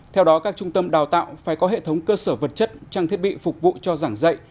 theo đó các trung tâm đào tạo phải có hệ thống cơ sở vật chất trang thiết bị phục vụ cho giảng dạy